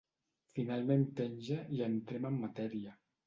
Finalment penja i entrem en matèria.